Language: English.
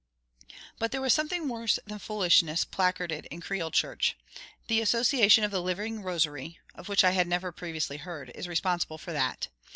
But there was something worse than foolishness placarded in Creil Church. The Association of the Living Rosary (of which I had never previously heard) is responsible for that.